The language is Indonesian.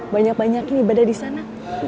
banyak banyakin ibadah di sana